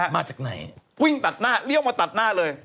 วิ่งตัดหน้าเลี่ยวมาตัดหน้าเลย